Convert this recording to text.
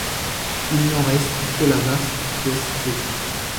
Il n'en reste que la vaste pièce d'eau.